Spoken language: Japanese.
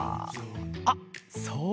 あっそうだ！